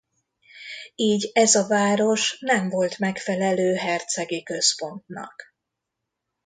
Így ez a város nem volt megfelelő hercegi központnak.